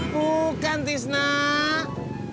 bukan tis nak